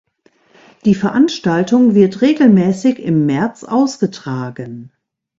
Die Veranstaltung wird regelmäßig im März ausgetragen.